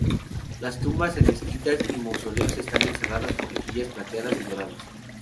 Las tumbas en mezquitas y mausoleos están encerradas por rejillas plateadas y doradas.